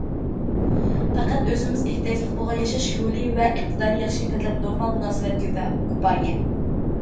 پەقەت ئۆزىمىز ئېھتىياجلىق بولغان ياشاش يولى ۋە ئىقتىدارى، ياخشى پەزىلەت، نورمال مۇناسىۋەت كۇپايە.